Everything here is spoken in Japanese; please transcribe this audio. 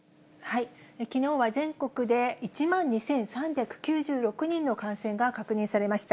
きのうは全国で１万２３９６人の感染が確認されました。